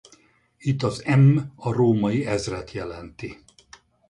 Itt az M a római ezret jelenti.